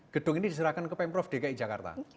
gedung ini diserahkan ke pemprov dki jakarta